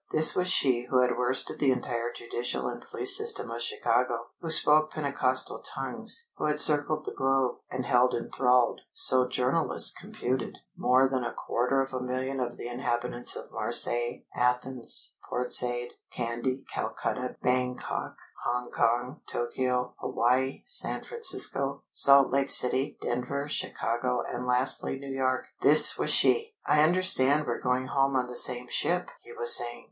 This was she who had worsted the entire judicial and police system of Chicago, who spoke pentecostal tongues, who had circled the globe, and held enthralled so journalists computed more than a quarter of a million of the inhabitants of Marseilles, Athens, Port Said, Candy, Calcutta, Bangkok, Hong Kong, Tokio, Hawaii, San Francisco, Salt Lake City, Denver, Chicago, and lastly New York! This was she! "I understand we're going home on the same ship!" he was saying.